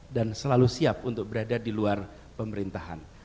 dan selalu siap untuk berada di luar pemerintahan